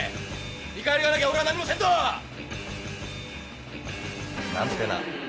見返りがなきゃ俺は何もせんぞ！なんてな。なんてな。